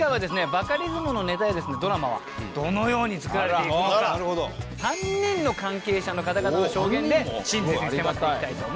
バカリズムのネタやドラマはどのように作られているのか３人の関係者の方々の証言で真実に迫っていきたいと思います。